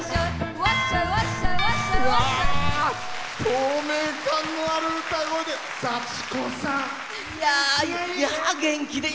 透明感のある歌声で！